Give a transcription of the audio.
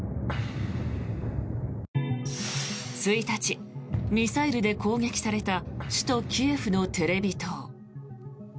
１日、ミサイルで攻撃された首都キエフのテレビ塔。